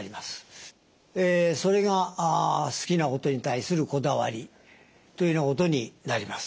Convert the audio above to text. それが好きなことに対するこだわりというようなことになります。